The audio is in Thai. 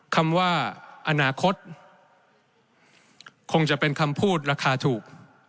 คำว่าอนาคตคงจะเป็นคำพูดราคาถูก